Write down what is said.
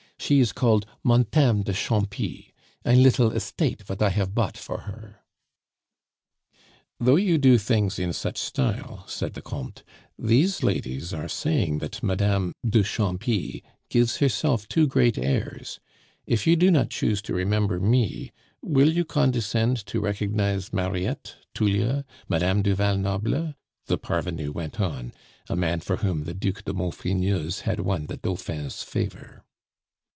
She is called Montame de Champy ein little estate vat I have bought for her " "Though you do things in such style," said the Comte, "these ladies are saying that Madame de Champy gives herself too great airs. If you do not choose to remember me, will you condescend to recognize Mariette, Tullia, Madame du Val Noble?" the parvenu went on a man for whom the Duc de Maufrigneuse had won the Dauphin's favor.